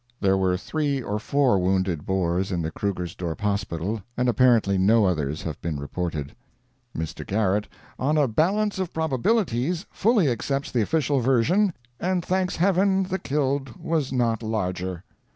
There were three or four wounded Boers in the Krugersdorp hospital, and apparently no others have been reported. Mr. Garrett, "on a balance of probabilities, fully accepts the official version, and thanks Heaven the killed was not larger."